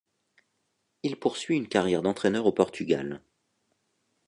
Il poursuit une carrière d'entraîneur au Portugal.